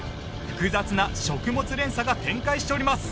複雑な食物連鎖が展開しております！